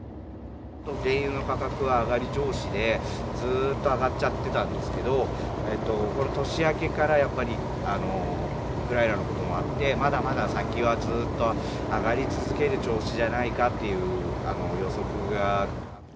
原油の価格は上がり調子で、ずっと上がっちゃってたんですけど、この年明けからやっぱり、ウクライナのこともあって、まだまだ先はずっと上がり続ける調子じゃないかっていう予測が。